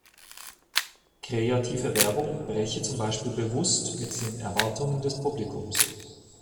Kreative Werbung breche zum Beispiel bewusst mit den Erwartungen des Publikums.